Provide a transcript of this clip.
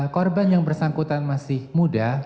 korban yang bersangkutan masih muda